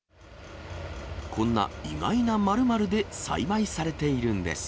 こんな意外な○○で栽培されているんです。